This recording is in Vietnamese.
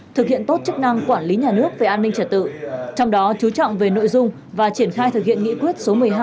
thực hiện tốt chức năng quản lý nhà nước về an ninh trật tự trong đó chú trọng về nội dung và triển khai thực hiện nghị quyết số một mươi hai